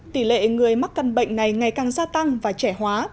tỷ lệ người mắc căn bệnh này ngày càng gia tăng và trẻ hóa